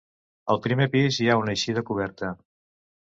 El primer pis hi ha una eixida coberta.